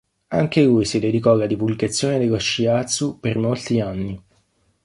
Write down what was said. Anche lui si dedicò alla divulgazione dello Shiatsu per molti anni.